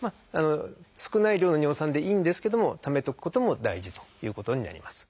少ない量の尿酸でいいんですけどもためとくことも大事ということになります。